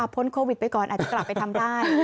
พ้นโควิดไปก่อนอาจจะกลับไปทำได้